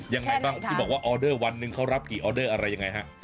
ยังไงบ้างที่บอกว่าออเดอร์วันหนึ่งเขารับกี่ออเดอร์อะไรยังไงฮะ